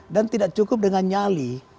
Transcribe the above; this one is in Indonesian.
dan tidak cukup dengan nyali